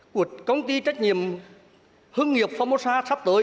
của công ty trách nhiệm hương nghiệp phóng mô sa sắp tới